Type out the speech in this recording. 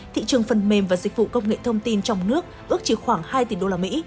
thị trường phần mềm và dịch vụ công nghệ thông tin trong nước ước chỉ khoảng hai tỉ đô la mỹ